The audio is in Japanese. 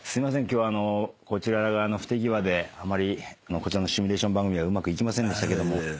今日はこちら側の不手際であまりこちらのシミュレーション番組がうまくいきませんでしたけども。